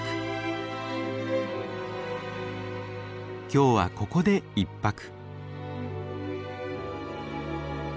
今日はここで１泊。